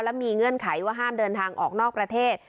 และมีเงื่อนไขว่าห้ามเดินทางออกนอกประเทศ